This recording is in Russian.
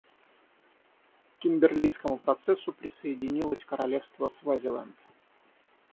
К Кимберлийскому процессу присоединилось Королевство Свазиленд.